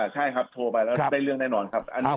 ใช่ครับโทรไปเด้อเรื่องได้นอนครับ